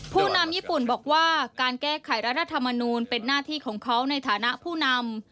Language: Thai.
ผู้นำญี่ปุ่นบอกว่าการแก้ไขรัฐธรรมนูลเป็นหน้าที่ของเขาในฐานะผู้นำ